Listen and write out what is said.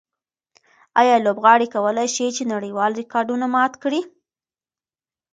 آیا لوبغاړي کولای شي چې نړیوال ریکارډونه مات کړي؟